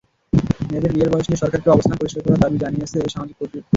মেয়েদের বিয়ের বয়স নিয়ে সরকারকে অবস্থান পরিষ্কার করার দাবি জানিয়েছে সামাজিক প্রতিরোধ কমিটি।